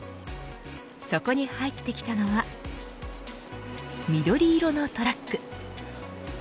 そこに入ってきたのは緑色のトラック。